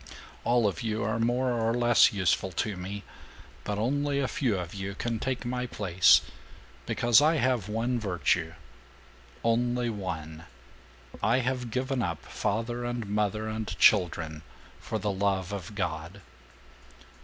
All of you are more or less useful to me, but only a few of you can take my place, because I have one virtue (only one): I have given up father and mother and children for the love of God.